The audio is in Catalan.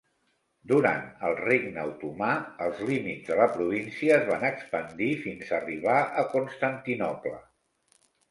Durant el regne otomà, els límits de la província es van expandir fins arribar a Constantinoble.